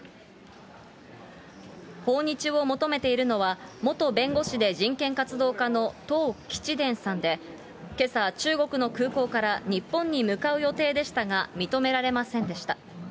訪日を求めているのは、元弁護士で人権活動家の唐吉田さんで、けさ中国の空港から日本に向かう予定でしたが、認められませんでした。